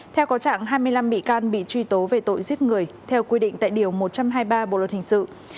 theo có trạng hai mươi năm bị can bị truy tố về tội giết người theo quy định tại điều một trăm hai mươi ba bộ luật hình sự